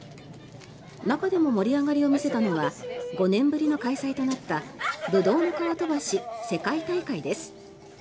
中でも盛り上がりを見せたのは５年ぶりの開催となったぶどうの皮飛ばし世界大会です。